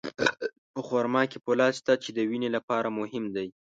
په خرما کې فولاد شته، چې د وینې لپاره مهم دی.